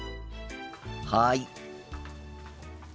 はい。